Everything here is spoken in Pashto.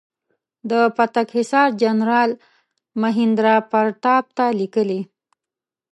د پتک حصار جنرال مهیندراپراتاپ ته لیکلي.